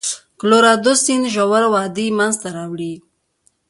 د کلورادو سیند ژوره وادي منځته راوړي.